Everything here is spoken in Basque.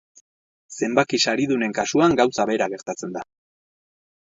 Zenbaki saridunen kasuan gauza bera gertatzen da.